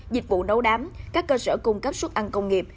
dịch vụ nấu đám các cơ sở cung cấp xuất ăn công nghiệp